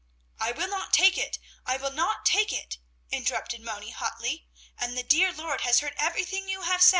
"I will not take it! I will not take it!" interrupted Moni, hotly, "and the dear Lord has heard everything you have said."